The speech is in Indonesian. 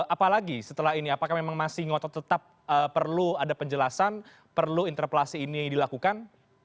apalagi setelah ini apakah memang masih ngotot tetap perlu ada penjelasan perlu interpelasi ini dilakukan